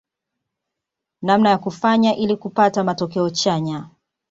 Namna ya kufanya ili kupata matokeo chanya